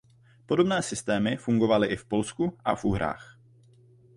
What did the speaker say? Podobné systémy fungovaly i v Polsku a v Uhrách.